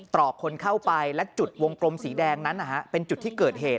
รอกคนเข้าไปและจุดวงกลมสีแดงนั้นเป็นจุดที่เกิดเหตุ